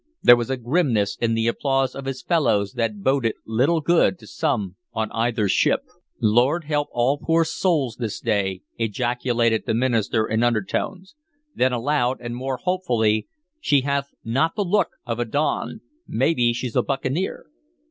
There was a grimness in the applause of his fellows that boded little good to some on either ship. "Lord help all poor souls this day!" ejaculated the minister in undertones; then aloud and more hopefully, "She hath not the look of a don; maybe she's buccaneer."